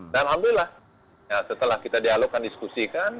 dan ambillah setelah kita dialogkan diskusikan